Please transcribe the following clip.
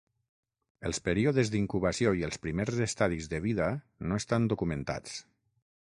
Els períodes d'incubació i els primers estadis de vida no estan documentats.